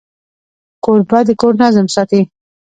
کوربه د کور نظم ساتي.